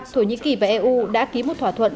thổ nhĩ kỳ và eu đã ký một thỏa thuận